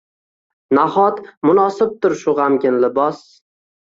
Nahot munosibdir shu g’amgin libos.